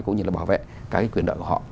cũng như là bảo vệ các quyền đội của họ